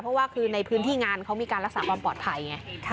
เพราะว่าคือในพื้นที่งานเขามีการรักษาความปลอดภัยไง